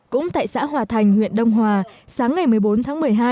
cũng tại xã hòa thành huyện đông hòa sáng ngày một mươi bốn tháng một mươi hai